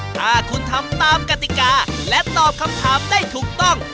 ถ้าคุณทำตามกติกาและตอบคำถามได้ถูกต้อง